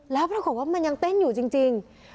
แล้วปรากฏว่ามันยังเต้นอยู่จริง